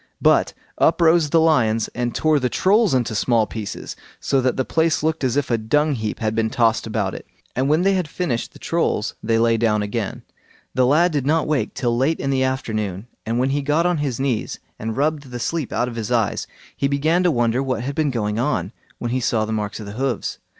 But up rose the lions and tore the Trolls into small pieces, so that the place looked as if a dung heap had been tossed about it; and when they had finished the Trolls they lay down again. The lad did not wake till late in the afternoon, and when he got on his knees and rubbed the sleep out of his eyes, he began to wonder what had been going on, when he saw the marks of hoofs.